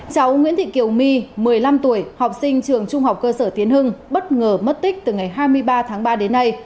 cháu nguyễn thị kiều my một mươi năm tuổi học sinh trường trung học cơ sở tiến hưng bất ngờ mất tích từ ngày hai mươi ba tháng ba đến nay